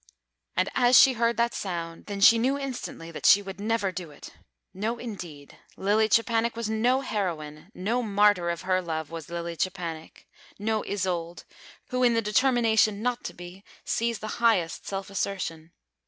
"And as she heard that sound, then she knew instantly that she would never do it. No indeed! Lilly Czepanek was no Heroine. No martyr of her love was Lilly Czepanek. No Isolde, who in the determination not to be, sees the highest self assertion.